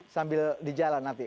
sambil di jalan nanti